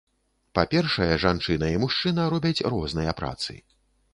Па-першае, жанчына і мужчына робяць розныя працы.